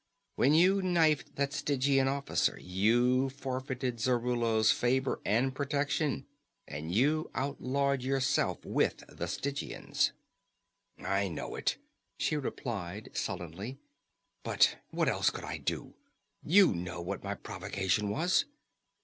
When you knifed that Stygian officer, you forfeited Zarallo's favor and protection, and you outlawed yourself with the Stygians." "I know it," she replied sullenly. "But what else could I do? You know what my provocation was."